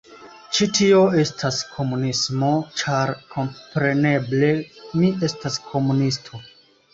Ĉi tio estas komunismo ĉar, kompreneble, mi estas komunisto